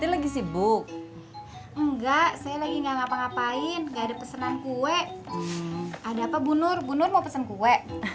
lagi sibuk enggak saya lagi ngapa ngapain gak ada pesanan kue ada apa bunur bunur mau pesan kue